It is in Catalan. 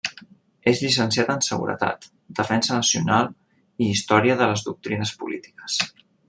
És llicenciat en Seguretat, Defensa Nacional i Història de les Doctrines Polítiques.